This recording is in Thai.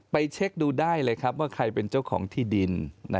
เช็คดูได้เลยครับว่าใครเป็นเจ้าของที่ดิน